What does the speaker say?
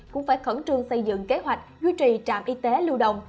cũng phải khẩn trương xây dựng kế hoạch duy trì trạm y tế lưu động